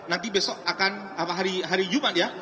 nanti besok akan hari jumat ya